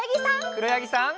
くろやぎさん。